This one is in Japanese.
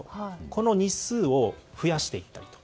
この日数を増やしていったと。